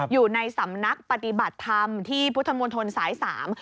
อยู่ในสำนักปฏิบัติธรรมที่พุทธมวลธนศาสตร์๓